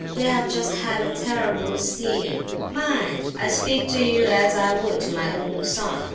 We have just had a terrible scene!—mind, I speak to you as I would to my own son!